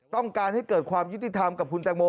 ต้องการให้เกิดความยุติธรรมกับคุณแตงโม